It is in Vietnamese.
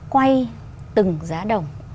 quay từng giá đồng